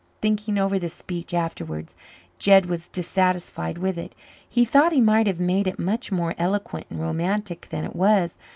Thinking over this speech afterwards Jed was dissatisfied with it. He thought he might have made it much more eloquent and romantic than it was.